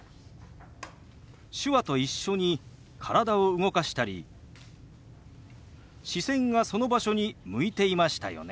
手話と一緒に体を動かしたり視線がその場所に向いていましたよね。